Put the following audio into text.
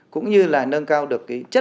cũng như là giảm thiểu được các cái dịch bệnh